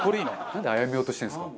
なんであやめようとしてるんですか。